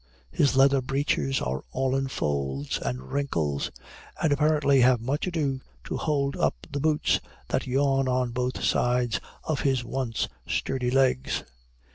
His leather breeches are all in folds and wrinkles, and apparently have much ado to hold up the boots that yawn on both sides of his once sturdy legs.